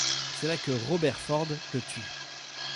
C'est là que Robert Ford le tue.